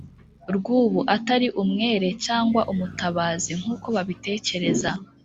rw'ubu atari umwere cyangwa umutabazi nkuko babitekereza